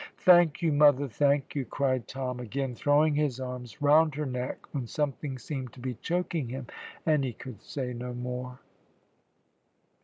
"Thank you, mother, thank you!" cried Tom, again throwing his arms round her neck, when something seemed to be choking him, and he could say no more.